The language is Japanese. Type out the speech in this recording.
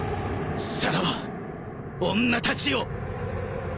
さらば女たちよ！